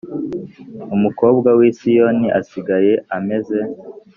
Umukobwa w’i Siyoni asigaye ameze